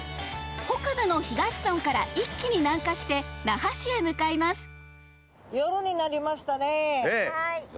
北部の東村から一気に南下して那覇市へ向かいます